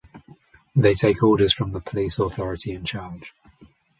They take orders from the police authority in charge.